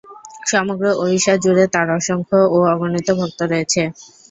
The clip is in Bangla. সমগ্র ওড়িশা জুড়ে তার অসংখ্য ও অগণিত ভক্ত রয়েছে।